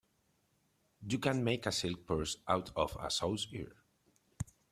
You can't make a silk purse out of a sow's ear.